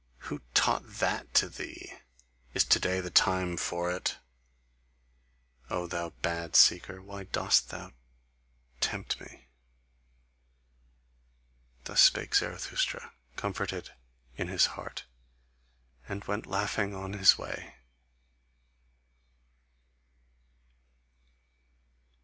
Who TAUGHT that to thee? Is to day the time for it? Oh, thou bad seeker, why dost thou tempt me?" Thus spake Zarathustra, comforted in his heart, and went laughing on his way.